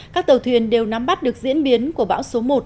các tàu thuyền đều nắm bắt được diễn biến của bão số một